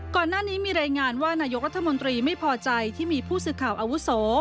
ก่อนหน้านี้มีรายงานว่านายกรัฐมนตรีไม่พอใจที่มีผู้สื่อข่าวอาวุโส